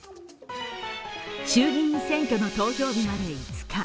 衆議院選挙の投票日まで５日。